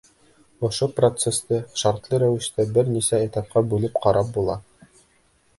Ошо процесты шартлы рәүештә бер нисә этапҡа бүлеп ҡарап була.